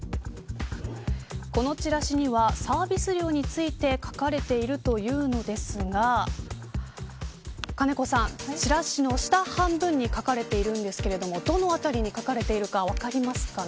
このチラシにはサービス料について書かれているというのですが金子さん、チラシの下半分に書かれているんですがどこに書かれているか分かりますかね。